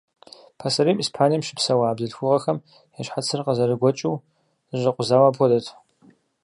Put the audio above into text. Пасэрейм Испанием щыпсэуа бзылъхугъэхэм я щхьэцыр къызэрыгуэкӀыу, зэщӀэкъузауэ апхуэдэт.